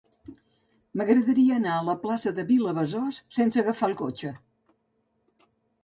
M'agradaria anar a la plaça de Vilabesòs sense agafar el cotxe.